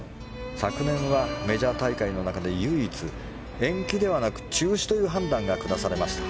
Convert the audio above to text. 昨年はメジャー大会の中で唯一、延期ではなく中止という判断が下されました。